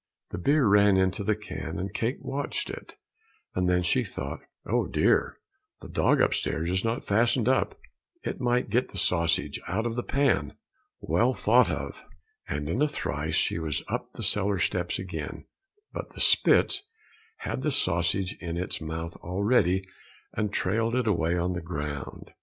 The beer ran into the can and Kate watched it, and then she thought, "Oh, dear! The dog upstairs is not fastened up, it might get the sausage out of the pan. Well thought of." And in a trice she was up the cellar steps again, but the Spitz had the sausage in its mouth already, and trailed it away on the ground.